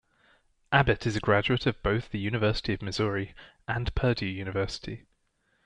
Abbett is a graduate of both the University of Missouri and Purdue University.